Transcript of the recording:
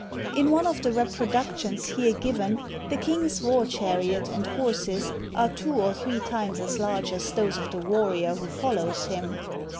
In one of the reproductions here given, the king's war chariot and horses are two or three times as large as those of the warrior who follows him.